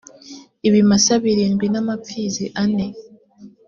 ibimasa birindwi n’amapfizi ane